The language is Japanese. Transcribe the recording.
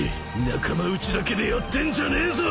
仲間内だけでやってんじゃねえぞ！